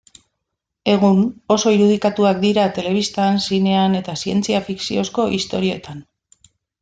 Egun, oso irudikatuak dira telebistan, zinean eta zientzia fikziozko istorioetan.